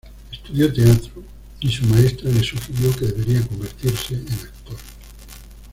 Estudió teatro y su maestra le sugirió que debería convertirse en actor.